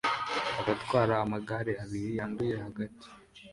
Abatwara amagare abiri yanduye hagati